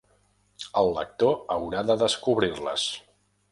El lector haurà de descobrir-les.